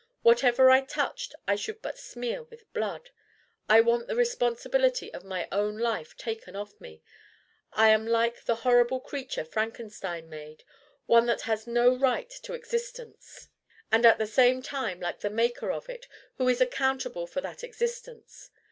Whatever I touched I should but smear with blood. I want the responsibility of my own life taken off me. I am like the horrible creature Frankenstein made one that has no right to existence and at the same time like the maker of it, who is accountable for that existence.